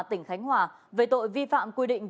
tỉnh khánh hòa về tội vi phạm quy định